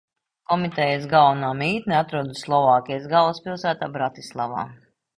Komitejas galvenā mītne atrodas Slovākijas galvaspilsētā Bratislavā.